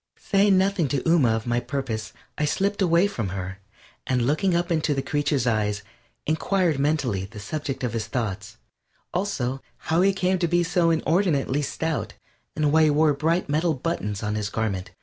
Saying nothing to Ooma of my purpose, I slipped away from her, and looking up into the creature's eyes inquired mentally the subject of his thoughts; also, how he came to be so inordinately stout, and why he wore bright metal buttons on his garment.